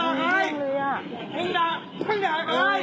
มึงด่ากูทำไม